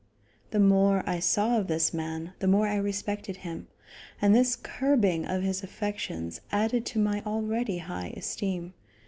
The more I saw of this man, the more I respected him, and this curbing of his affections added to my already high esteem.